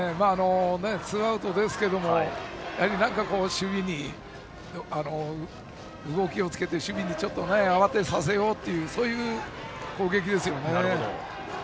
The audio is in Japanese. ツーアウトですけども何か動きをつけて守備を慌てさせようというそういう攻撃ですよね。